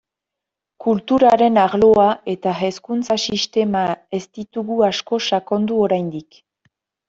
Kulturaren arloa eta hezkuntza sistema ez ditugu asko sakondu oraindik.